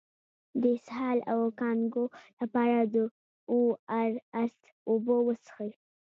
د اسهال او کانګو لپاره د او ار اس اوبه وڅښئ